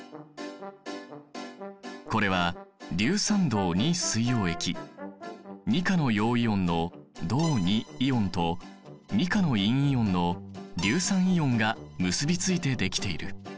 これは２価の陽イオンの銅イオンと２価の陰イオンの硫酸イオンが結び付いてできている。